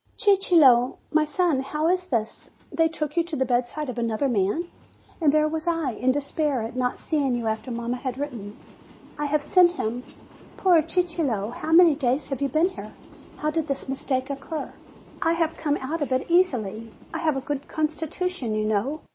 "Cicillo, my son, how is this? They took you to the bedside of another man. And there was I, in despair at not seeing you after mamma had written, 'I have sent him.' Poor Cicillo ! How many days have you been here? How did this mis take occur? I have come out of it easily! I have a THE BLIND BOYS X DADDY'S NURSE 139 good constitution, you know!